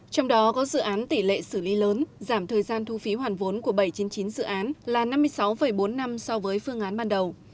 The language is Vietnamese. trong đó có dự án tỷ lệ xử lý lớn giảm thời gian thu phí hoàn vốn của bảy trăm chín mươi chín dự án là năm mươi sáu bốn năm so với phương án ban đầu